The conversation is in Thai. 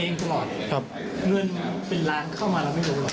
เงินเป็นล้านเราไม่รู้